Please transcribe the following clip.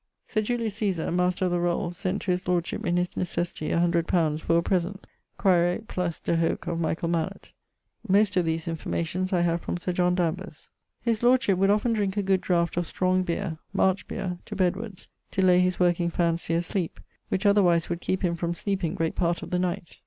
Sir Julius Cæsar (Master of the Rolles) sent to his lordship in his necessity a hundred pounds for a present[XIV.]; quaere + de hoc of Michael Malet. [XIV.] Most of these enformations I have from Sir John Danvers. His Lordship would often drinke a good draught of strong beer (March beer) to bedwards, to lay his working fancy asleep: which otherwise would keepe him from sleeping great part of the night.